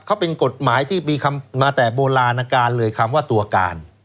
เขาเป็นกฎหมายที่มีคำมาแต่โบราณการเลยคำว่าตัวการ